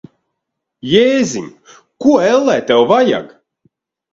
Jēziņ! Ko, ellē, tev vajag?